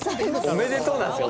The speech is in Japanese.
おめでとうなんですか？